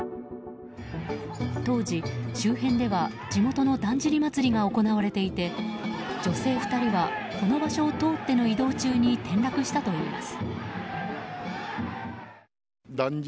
当時、周辺では地元のだんじり祭りが行われていて女性２人はこの場所を通っての移動中に転落したといいます。